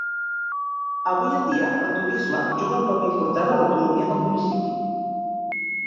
Avui en dia el turisme juga un paper important a l'economia del municipi.